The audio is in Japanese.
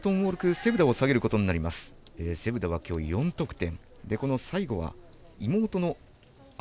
セブダはきょう４得点。